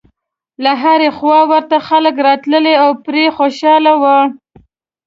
له هرې خوا ورته خلک راتلل او پرې خوشاله و.